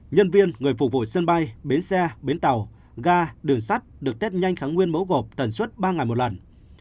nhân viên người phục vụ sân bay bến xe bến tàu ga đường sắt được test nhanh kháng nguyên mẫu gộp tần suất ba ngày một lần